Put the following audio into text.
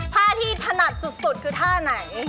ท่าที่ถนัดสุดคือท่าไหน